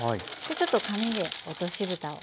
ちょっと紙で落としぶたを。